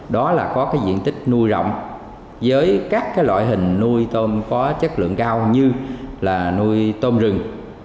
đó là có cái diện tích nuôi rộng với các loại hình nuôi tôm có chất lượng cao như là nuôi tôm rừng